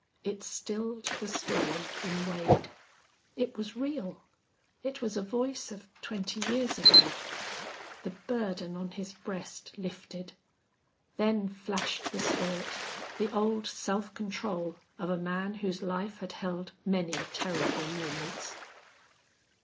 It stilled the storm in Wade. It was real. It was a voice of twenty years ago. The burden on his breast lifted. Then flashed the spirit, the old self control of a man whose life had held many terrible moments.